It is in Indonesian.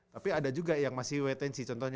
tapi ada juga yang masih wait in sih contohnya